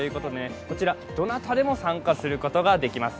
こちら、どなたでも参加することができます。